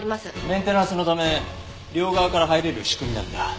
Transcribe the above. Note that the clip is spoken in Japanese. メンテナンスのため両側から入れる仕組みなんだ。